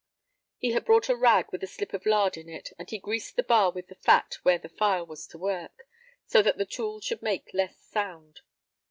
He had brought a rag with a slip of lard in it, and he greased the bar with the fat where the file was to work, so that the tool should make less sound.